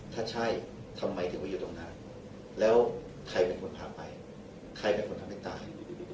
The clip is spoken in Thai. ถ้าใช่ทำไมถึงไปอยู่ตรงนั้นแล้วใครเป็นคนพาไปใครเป็นคนทำให้ตาย